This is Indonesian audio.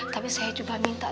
tapi saya juga minta